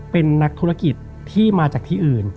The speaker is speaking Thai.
เป็นนักธุรกิจที่มาจากที่อื่น